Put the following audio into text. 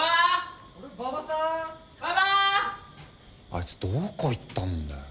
あいつどこ行ったんだよ。